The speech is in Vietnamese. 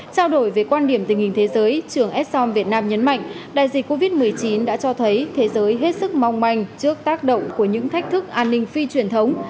trao đổi về quan điểm tình hình thế giới trưởng es som việt nam nhấn mạnh đại dịch covid một mươi chín đã cho thấy thế giới hết sức mong manh trước tác động của những thách thức an ninh phi truyền thống